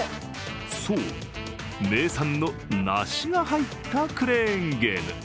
そう、名産の梨が入ったクレーンゲーム。